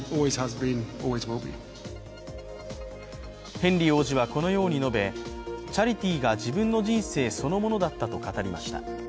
ヘンリー王子はこのように述べチャリティーが自分の人生そのものだったと語りました。